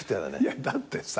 だって魚。